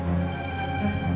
ya pak adrian